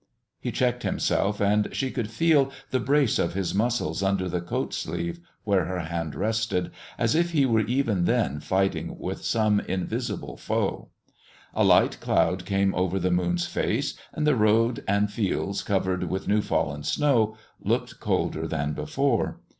He checked himself, and she could feel the brace of his muscles under the coatsleeve where her hand rested, as if he were even then fighting with some invisible foe. A light cloud came over the moon's face, and the road and fields, covered with new fallen snow, looked colder than before.